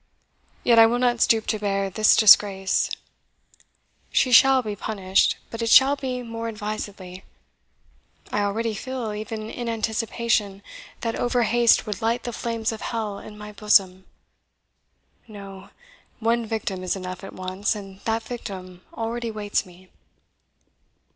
Yet I will not stoop to bear this disgrace. She shall be punished, but it shall be more advisedly. I already feel, even in anticipation, that over haste would light the flames of hell in my bosom. No one victim is enough at once, and that victim already waits me."